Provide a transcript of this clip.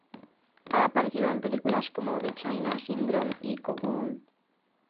Ha aparecido en películas como "The China Syndrome" y "Cocoon".